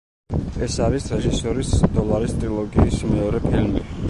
ეს არის რეჟისორის „დოლარის ტრილოგიის“ მეორე ფილმი.